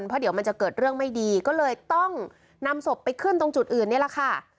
เพราะเดี๋ยวมันจะเกิดเรื่องไม่ดีก็เลยต้องนำศพไปขึ้นตรงจุดอื่นนี่แหละค่ะ